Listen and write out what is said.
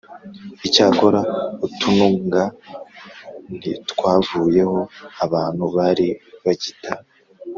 Icyakora utununga ntitwavuyeho abantu bari bagita